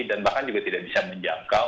dan bahkan juga tidak bisa menjelaskan